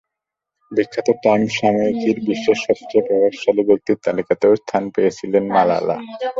বিখ্যাত টাইম সাময়িকীর বিশ্বের সবচেয়ে প্রভাবশালী ব্যক্তির তালিকাতেও স্থান পেয়েছিলেন মালালা।